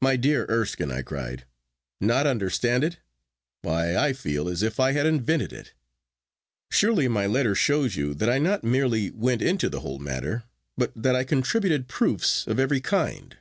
'My dear Erskine,' I cried, 'not understand it! Why, I feel as if I had invented it. Surely my letter shows you that I not merely went into the whole matter, but that I contributed proofs of every kind.